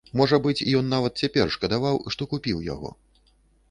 Можа быць, ён нават цяпер шкадаваў, што купіў яго.